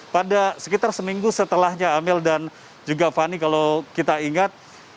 pada sekitar seminggu setelahnya amel dan juga fani kalau kita ingat